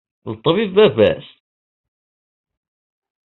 D ṭṭbib baba-s?